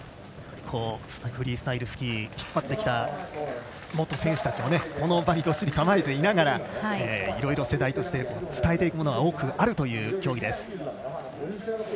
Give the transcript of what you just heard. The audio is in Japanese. フリースタイルスキーを引っ張ってきた選手たちもこの場にどっしり構えていながらいろいろ世代として伝えていくものが多くあるという競技です。